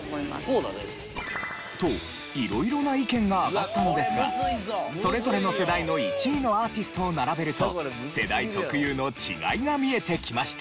そうだね。と色々な意見が挙がったのですがそれぞれの世代の１位のアーティストを並べると世代特有の違いが見えてきました。